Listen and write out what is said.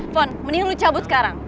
pon mending lu cabut sekarang